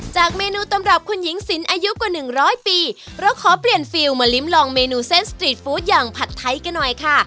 เมนูตำรับคุณหญิงสินอายุกว่าหนึ่งร้อยปีเราขอเปลี่ยนฟิลมาลิ้มลองเมนูเส้นสตรีทฟู้ดอย่างผัดไทยกันหน่อยค่ะ